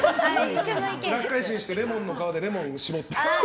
裏返してレモンの皮でレモンを搾って。